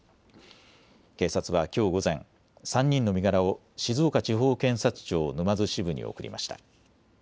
警察はきょう午前、３人の身柄を静岡地方検察庁沼津支部に送りました。